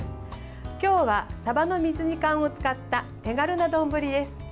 今日はさばの水煮缶を使った手軽な丼です。